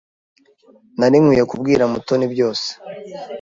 Nari nkwiye kubwira Mutoni byose.